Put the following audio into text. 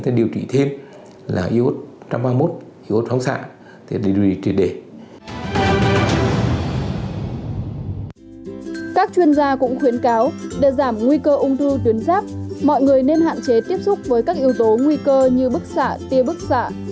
các chuyên gia cũng khuyến cáo để giảm nguy cơ ung thư tuyến giáp mọi người nên hạn chế tiếp xúc với các yếu tố nguy cơ như bức xạ tia bức xạ